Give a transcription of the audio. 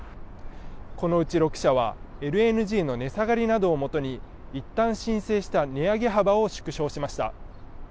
このうち６社は、ＬＮＧの値下がりなどをもとに、一旦申請した値上げ幅を縮小しました。